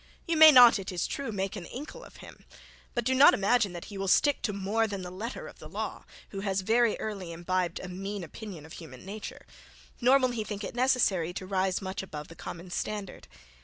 You may not, it is true, make an Inkle of him; but do not imagine that he will stick to more than the letter of the law, who has very early imbibed a mean opinion of human nature; nor will he think it necessary to rise much above the common standard.